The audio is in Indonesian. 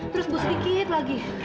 terus bu sedikit lagi